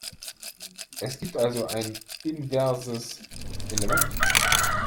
Es gibt also ein inverses Element.